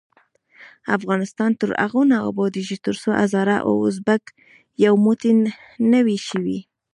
افغانستان تر هغو نه ابادیږي، ترڅو هزاره او ازبک یو موټی نه وي شوي.